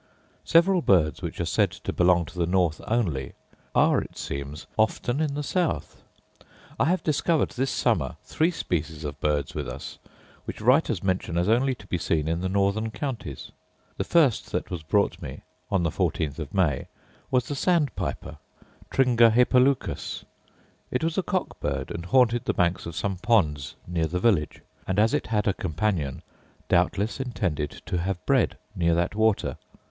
Several birds, which are said to belong to the north only, are, it seems, often in the south. I have discovered this summer three species of birds with us, which writers mention as only to be seen in the northern counties. The first that was brought me (on the 14th of May) was the sandpiper, tringa hypoleucus: it was a cock bird, and haunted the banks of some ponds near the village; and, as it had a companion, doubtless intended to have bred near that water.